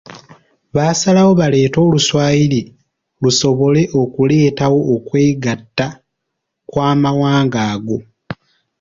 Baasalawo baleete Oluswayiri lusobole okuleetawo okwegatta kw'amawanga ago.